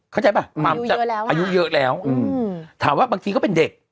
เข้าใจป่ะหม่ำจะอายุเยอะแล้วถามว่าบางทีก็เป็นเด็ก